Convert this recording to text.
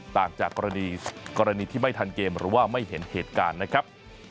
ต่างจากกรณีที่ไม่ทันเกมหรือว่าไม่เห็นเหตุการณ์นะครับ